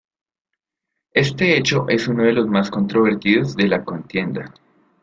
Este hecho es uno de los más controvertidos de la contienda.